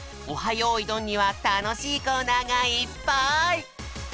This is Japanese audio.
よいどん」にはたのしいコーナーがいっぱい！